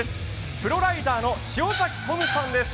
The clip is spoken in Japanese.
プロライダーの塩崎太夢さんです。